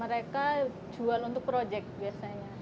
mereka jual untuk proyek biasanya